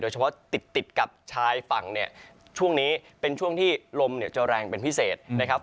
เฉพาะติดติดกับชายฝั่งเนี่ยช่วงนี้เป็นช่วงที่ลมเนี่ยจะแรงเป็นพิเศษนะครับ